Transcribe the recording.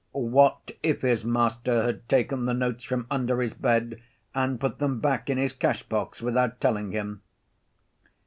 What if his master had taken the notes from under his bed and put them back in his cash‐box without telling him?